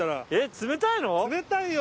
冷たいよ！